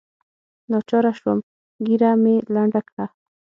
ناچاره سوم ږيره مې لنډه کړه.